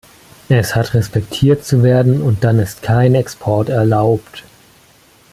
Es hat respektiert zu werden, und dann ist kein Export erlaubt.